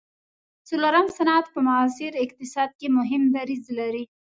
څلورم صنعت په معاصر اقتصاد کې مهم دریځ لري.